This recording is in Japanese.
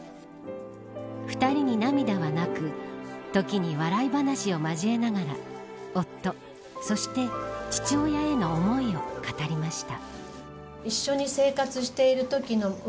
２人に涙はなく時に笑い話を交えながら夫、そして父親への思いを語りました。